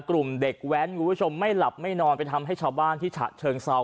กลุ่มเด็กแว้นคุณผู้ชมไม่หลับไม่นอนไปทำให้ชาวบ้านที่ฉะเชิงเซา